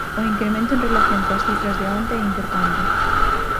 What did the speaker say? O incremento en relación coas cifras de onte é importante.